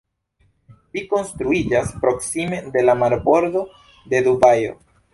Ĝi konstruiĝas proksime de la marbordo de Dubajo.